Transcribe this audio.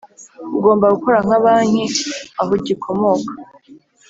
Ugomba gukora nka banki aho gikomoka